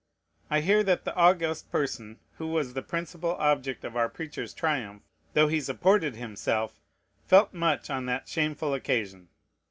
I hear that the august person who was the principal object of our preacher's triumph, though he supported himself, felt much on that shameful occasion.